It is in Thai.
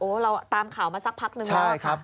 โอ้เราตามข่าวมาสักพักหนึ่งแล้วค่ะ